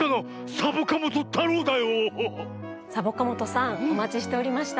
サボカもとさんおまちしておりました。